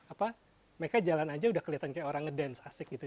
apa mereka jalan aja udah kelihatan kayak orang ngedance asik gitu